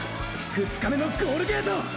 ２日目のゴールゲート！！